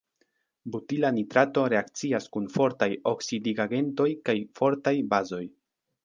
Butila nitrato reakcias kun fortaj oksidigagentoj kaj fortaj bazoj.